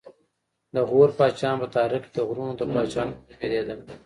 د غور پاچاهان په تاریخ کې د غرونو د پاچاهانو په نوم یادېدل